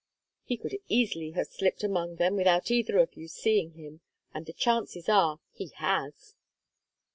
He could easily have slipped among them without either of you seeing him, and the chances are he has."